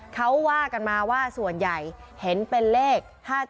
เขาว่ากันมาว่าส่วนใหญ่เห็นเป็นเลข๕๗